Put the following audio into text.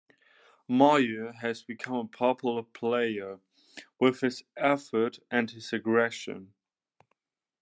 Mair has become a popular player, with his effort and his aggression.